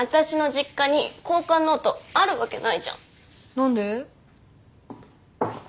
何で？